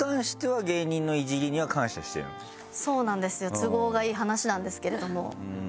都合がいい話なんですけれども。